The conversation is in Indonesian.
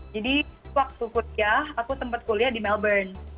jadi waktu kuliah aku tempat kuliah di melbourne